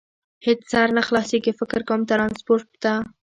هېڅ سر نه خلاصېږي، فکر کوم، ترانسپورټ ته.